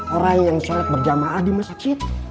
orang yang sholat berjamaah di masjid